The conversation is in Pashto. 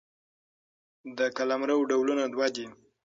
د قلمرو ډولونه دوه دي.